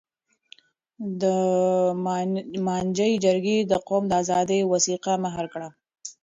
د مانجې جرګې د قوم د آزادۍ وثیقه مهر کړه.